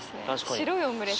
白いオムレツ。